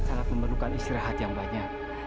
kita akan memerlukan istirahat yang banyak